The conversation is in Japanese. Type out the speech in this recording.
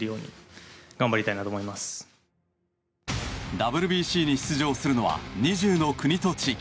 ＷＢＣに出場するのは２０の国と地域。